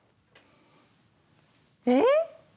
えっ？